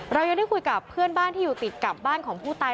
เรายังได้คุยกับเพื่อนบ้านที่อยู่ติดกับบ้านของผู้ตาย